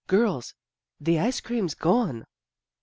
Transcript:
" Girls, the ice cream's gone."